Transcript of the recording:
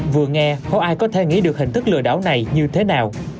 vừa nghe không ai có thể nghĩ được hình thức lừa đảo này như thế nào